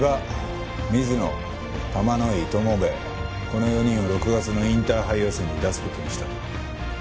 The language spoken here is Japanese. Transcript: この４人を６月のインターハイ予選に出す事にした。